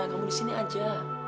kamu di sini aja